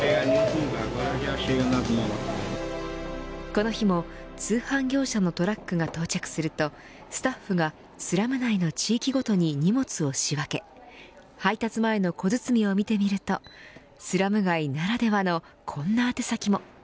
この日も通販業者のトラックが到着するとスタッフがスラム内の地域ごとに荷物を仕分け配達前の小包を見てみるとスラム街ならではのこんな宛先も。